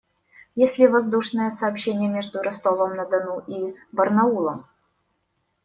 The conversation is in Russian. Есть ли воздушное сообщение между Ростовом-на-Дону и Барнаулом?